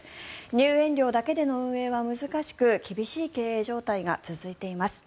入園料だけでの運営は難しく厳しい経営状態が続いています。